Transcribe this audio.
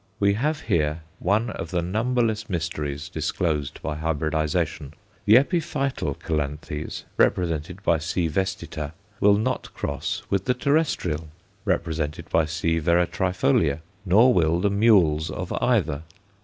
We have here one of the numberless mysteries disclosed by hybridization. The epiphytal Calanthes, represented by C. vestita, will not cross with the terrestrial, represented by C. veratræfolia, nor will the mules of either.